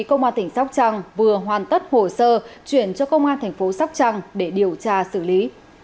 công an tỉnh sóc trăng vừa hoàn tất hồ sơ chuyển cho công an thành phố sóc trăng để điều tra xử lý